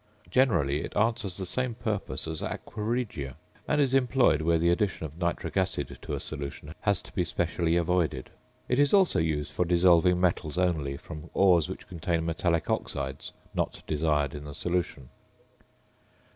Generally it answers the same purpose as aqua regia, and is employed where the addition of nitric acid to a solution has to be specially avoided. It is also used for dissolving metals only from ores which contain metallic oxides not desired in the solution.